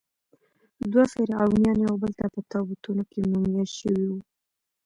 دوه فرعونیان یوبل ته په تابوتونو کې مومیایي شوي وو.